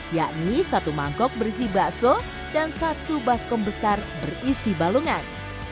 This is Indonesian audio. yakni satu mangkok berisi bakso dan satu baskom besar berisi balungan